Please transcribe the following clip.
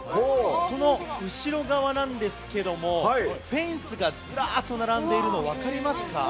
その後ろ側なんですけれども、フェンスがずらっと並んでいるの、分かりますか？